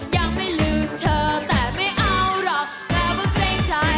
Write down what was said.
ยังไม่ลืมเธอแต่ไม่เอาหรอกแต่ว่าเกรงใจ